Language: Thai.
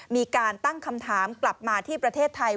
มีการตั้งคำถามกลับมาที่ประเทศไทย